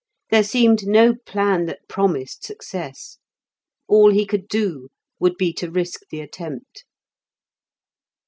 There seemed no plan that promised success; all he could do would be to risk the attempt.